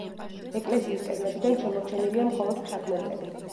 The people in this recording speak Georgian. ეკლესიის კედლებიდან შემორჩენილია მხოლოდ ფრაგმენტები.